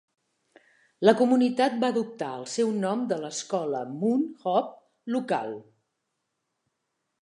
La comunitat va adoptar el seu nom de l'escola Mount Hope local.